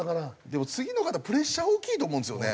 でも次の方プレッシャー大きいと思うんですよね。